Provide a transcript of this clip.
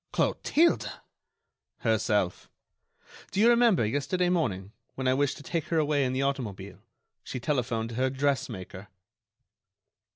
"Clotilde!" "Herself. Do you remember, yesterday morning, when I wished to take her away in the automobile, she telephoned to her dressmaker."